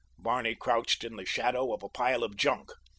Barney crouched in the shadow of a pile of junk.